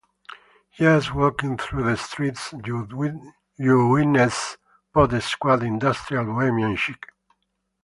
Just walking through the streets you witness post-squat, industrial bohemian chic.